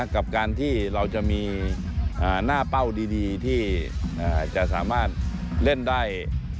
กับการที่เราจะมีหน้าเป้าดีที่จะสามารถเล่นได้